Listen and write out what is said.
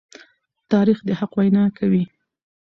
تاریخ د حق وینا کوي.